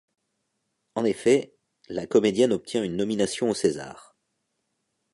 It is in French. En effet, la comédienne obtient une nomination aux César.